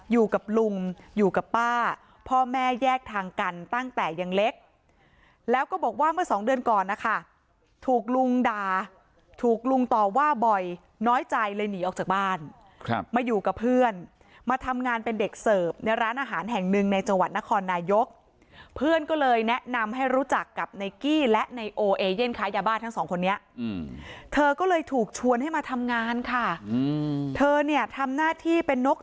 อยู่กับลุงอยู่กับป้าพ่อแม่แยกทางกันตั้งแต่ยังเล็กแล้วก็บอกว่าเมื่อสองเดือนก่อนนะคะถูกลุงด่าถูกลุงต่อว่าบ่อยน้อยใจเลยหนีออกจากบ้านมาอยู่กับเพื่อนมาทำงานเป็นเด็กเสิร์ฟในร้านอาหารแห่งหนึ่งในจังหวัดนครนายกเพื่อนก็เลยแนะนำให้รู้จักกับไนกี้และในโอเอเย่นค้ายาบ้าทั้งสองคนนี้เธอก็เลยถูกชวนให้มาทำงานค่ะเธอเนี่ยทำหน้าที่เป็นนก